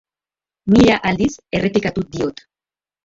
Mila aldiz errepikatu diot.